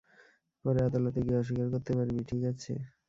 পরে আদালতে গিয়ে অস্বীকার করতে পারবি, ঠিক আছে?